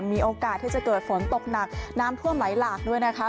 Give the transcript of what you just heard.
มีโอกาสที่จะเกิดฝนตกหนักน้ำท่วมไหลหลากด้วยนะคะ